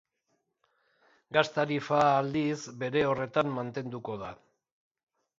Gas tarifa, aldiz, bere horretan mantenduko da.